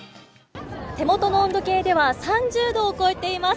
手元の温度計では３０度を超えています。